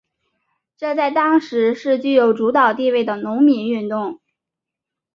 这在当时是具有主导地位的农民运动。